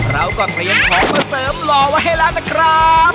เราก็เตรียมของมาเสริมหล่อไว้ให้แล้วนะครับ